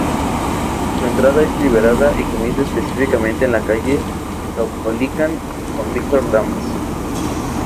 Su entrada es liberada y comienza específicamente en la calle Caupolicán con Víctor Lamas.